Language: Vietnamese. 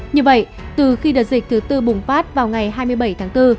như vậy từ khi đợt dịch thứ tư bùng phát vào ngày hai mươi bảy tháng bốn